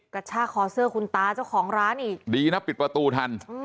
กระชากคอเสื้อคุณตาเจ้าของร้านอีกดีนะปิดประตูทัน